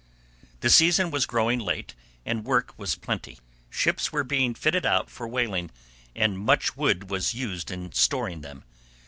The season was growing late and work was plenty. Ships were being fitted out for whaling, and much wood was used in storing them.